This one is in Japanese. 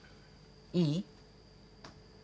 いい？